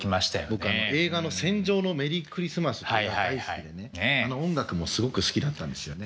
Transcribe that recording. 僕映画の「戦場のメリークリスマス」っていうのが大好きでねあの音楽もすごく好きだったんですよね。